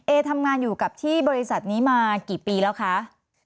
เอทำงานอยู่กับที่บริษัทนี้มากี่ปีแล้วคะ